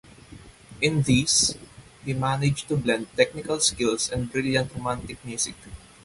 In these, he managed to blend technical skills and brilliant romantic music.